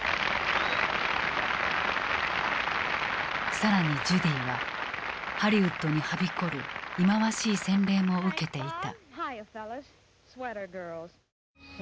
更にジュディはハリウッドにはびこる忌まわしい洗礼も受けていた。